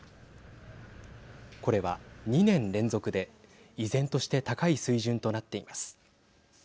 これは２年連続で依然として高い水準となっています。